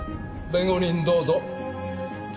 弁護人どうぞ。